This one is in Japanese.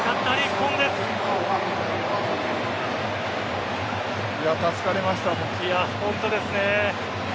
本当ですね。